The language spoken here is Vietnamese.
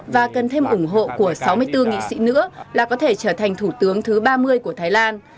và cần thêm ủng hộ của sáu mươi bốn nghị sĩ nữa là có thể trở thành thủ tướng thứ ba mươi của thái lan